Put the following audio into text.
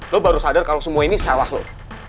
lo baru sadar kalau semua ini salah lo